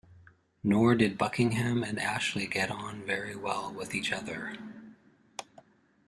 Nor did Buckingham and Ashley get on very well with each other.